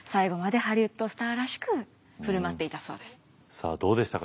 さあどうでしたか。